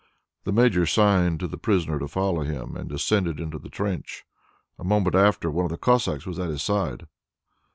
The Major signed to the prisoner to follow him and descended into the trench. A moment after, one of the Cossacks was at his side.